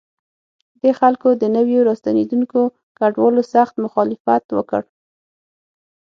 دې خلکو د نویو راستنېدونکو کډوالو سخت مخالفت وکړ.